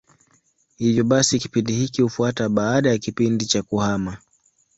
Hivyo basi kipindi hiki hufuata baada ya kipindi cha kuhama.